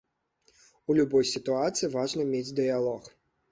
У любой сітуацыі важна мець дыялог.